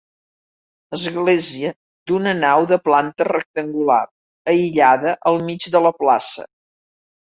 Església d'una nau de planta rectangular, aïllada al mig de la plaça.